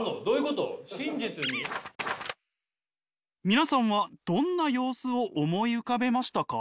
皆さんはどんな様子を思い浮かべましたか？